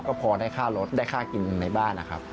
ก็พอได้ค่ารถได้ค่ากินในบ้านนะครับ